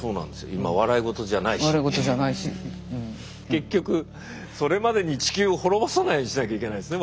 結局それまでに地球を滅ぼさないようにしなきゃいけないですね